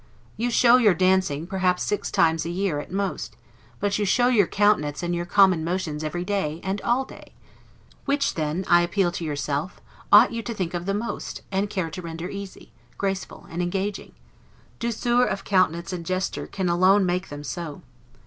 You show your dancing, perhaps six times a year, at most; but you show your countenance and your common motions every day, and all day. Which then, I appeal to yourself, ought you to think of the most, and care to render easy, graceful, and engaging? Douceur of countenance and gesture can alone make them so.